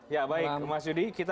ya baik mas yudi